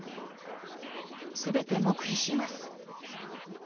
全て黙秘します。